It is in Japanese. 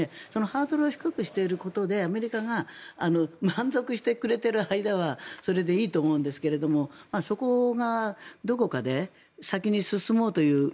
ハードルを低くしていることでアメリカが満足してくれている間はそれでいいと思うんですがそこがどこかで先に進もうという。